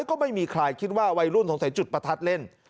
ก็ไม่มีใครคิดว่าวัยรุ่นสงสัยจุดประทัดเล่น